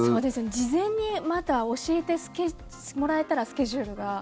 事前にまだ教えてもらえたらスケジュールが。